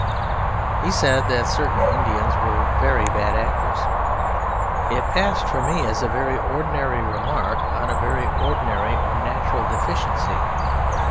He said that certain Indians were 'very bad actors.' It passed for me as a very ordinary remark on a very ordinary or natural deficiency.